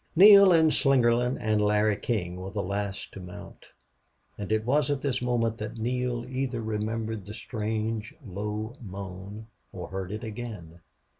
Neale and Slingerland and Larry King were the last to mount. And it was at this moment that Neale either remembered the strange, low moan or heard it again.